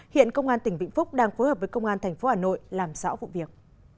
hiện công an tỉnh vĩnh phúc đang phối hợp với công an thành phố hà nội làm rõ vụ việc